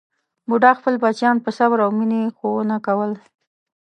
بوډا خپل بچیان په صبر او مینې ښوونه کول.